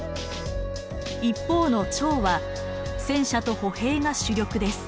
一方の趙は戦車と歩兵が主力です。